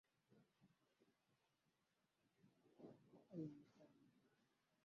vituo vichache Hilo ni jambo linalohitaji kushughulikiwa